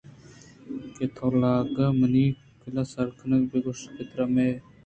کہ تو لاگ ءَمنی کُلہ ءَ سرکن ءُ بُہ گوٛش کہ ترا میئے